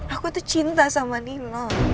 aku tuh cinta sama dino